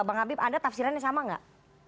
bang habib anda tafsirannya sama nggak